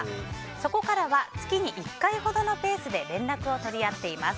そこからは月に１回ほどのペースで連絡を取り合っています。